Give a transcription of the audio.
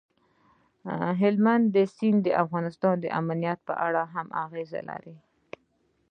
هلمند سیند د افغانستان د امنیت په اړه هم اغېز لري.